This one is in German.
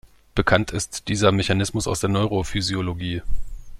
Bekannt ist dieser Mechanismus aus der Neurophysiologie.